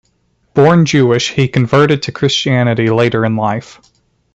Born Jewish, he converted to Christianity later in life.